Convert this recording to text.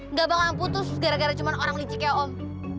nggak bakal putus gara gara cuma orang licik ya om